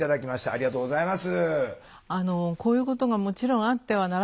ありがとうございます。